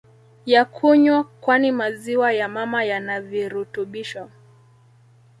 ya kunywa kwani maziwa ya mama yanavirutubisho